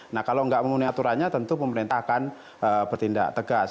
nah kalau nggak memenuhi aturannya tentu pemerintah akan bertindak tegas